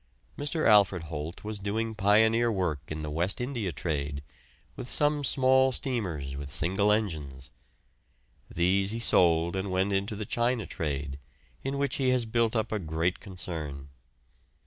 Mr. Alfred Holt was doing pioneer work in the West India trade, with some small steamers with single engines. These he sold and went into the China trade, in which he has built up a great concern.